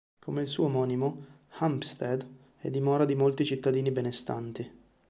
Come il suo omonimo, Hampstead è dimora di molti cittadini benestanti.